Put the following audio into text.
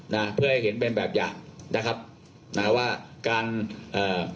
นะเพื่อให้เห็นเป็นแบบอย่างนะครับนะว่าการเอ่อ